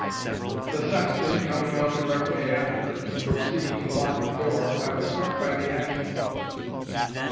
The sexton coming out directly after, and proceeding to lock the door, I was struck by the action.